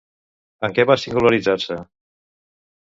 En què va singularitzar-se?